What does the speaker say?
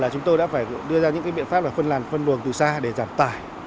chúng tôi đã phải đưa ra những biện pháp phân làn phân buồng từ xa để giảm tải